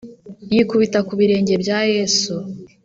Yikubita ku birenge bya Yesu